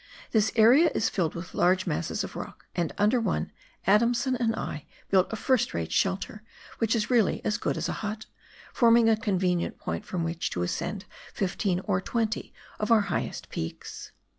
This area is filled with large masses of rock, and under one Adamson and I built a first rate shelter, which is really as good as a hut, forming a convenient point from which to ascend fifteen or twenty of our highest peaks.